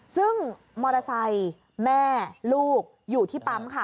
ซึ่งมอเตอร์ไซค์แม่ลูกอยู่ที่ปั๊มค่ะ